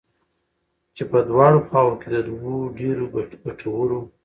چې په دواړو خواوو كې د دوو ډېرو گټورو